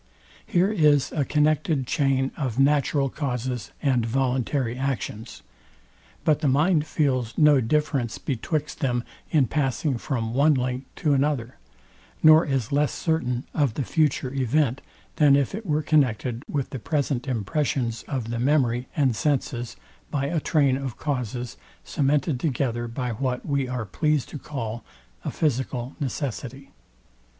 Here is a connected chain of natural causes and voluntary actions; but the mind feels no difference betwixt them in passing from one link to another; nor is less certain of the future event than if it were connected with the present impressions of the memory and senses by a train of causes cemented together by what we are pleased to call a physical necessity.